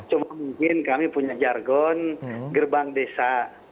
cuma mungkin kami punya jargon gerbang desa